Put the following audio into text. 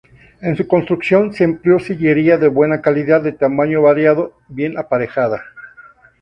En su construcción se empleó sillería de buena calidad de tamaño variado, bien aparejada.